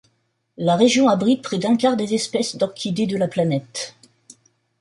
La région abrite près d'un quart des espèces d'orchidées de la planète.